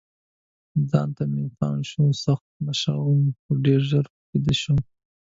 ځان ته مې پام شو، سخت نشه وم، خو ډېر ژر بیده شوم.